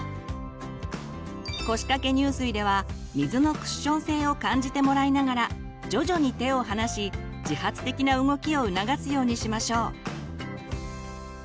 腰掛け入水では水のクッション性を感じてもらいながら徐々に手を離し自発的な動きを促すようにしましょう。